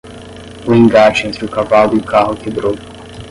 O engate entre o cavalo e o carro quebrou.